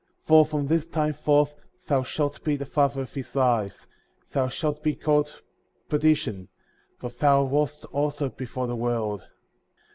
For from this time forth thou shalt be the father of his lies;* thou shalt be called Perdition;" for thou wast also before the world.